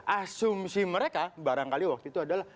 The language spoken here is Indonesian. asumsi mereka barangkali waktu itu adalah